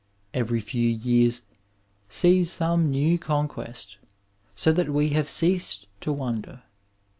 Every few years sees some new conquest, so that we have ceased to wonder.